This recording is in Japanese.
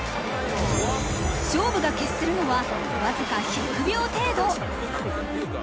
勝負が決するのは僅か１００秒程度。